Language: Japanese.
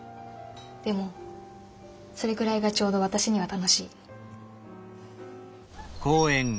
でもそれくらいがちょうど私には楽しい。